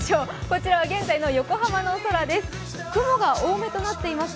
こちらは現在の横浜の空です。